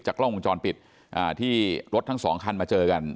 กล้องวงจรปิดที่รถทั้งสองคันมาเจอกัน